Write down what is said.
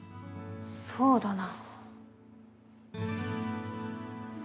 そうだな。